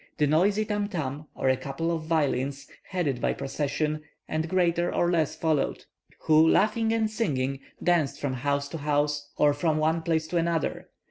The noisy tam tam, or a couple of violins, headed the procession, and greater or less followed, who, laughing and singing, danced from house to house, or from one place to another.